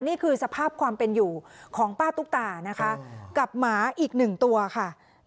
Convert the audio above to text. นี่คือสภาพความเป็นอยู่ของป้าตุ๊กตานะคะกับหมาอีกหนึ่งตัวค่ะ